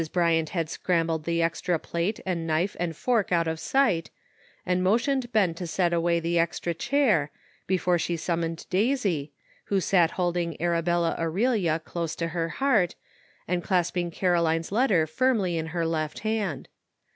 Bryant had scrambled the extra plate and knife and fork out of sight, and motioned Ben to set away the extra chair, before she summoned Daisy, who sat holding Arabella Aurelia close to her heart, and clasping Caroline's letter firmly in her left hand.